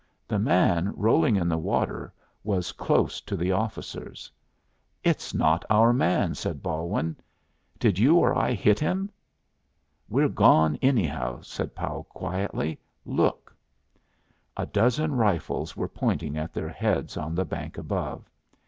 The man rolling in the water was close to the officers. "It's not our man," said Balwin. "Did you or I hit him?" "We're gone, anyhow," said Powell, quietly. "Look!" A dozen rifles were pointing at their heads on the bank above.